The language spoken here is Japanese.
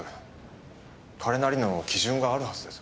彼なりの基準があるはずです。